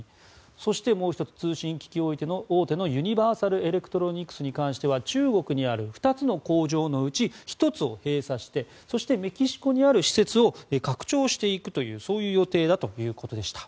そして、通信機器大手のユニバーサル・エレクトロニクスに関しては中国にある２つの工場のうち１つを閉鎖してそしてメキシコにある施設を拡張していくという予定だということでした。